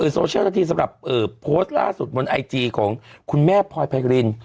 โซเชียลที่สำหรับเอ่อโพสต์ล่าสุดบนไอจีของคุณแม่พลอยภายกรีน